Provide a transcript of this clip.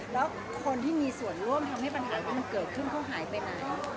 แล้วคนที่มีส่วนร่วมทำให้ปัญหาที่มันเกิดขึ้นเขาหายไปไหน